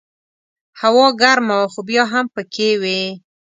هوا ګرمه وه خو بیا هم پکې وې.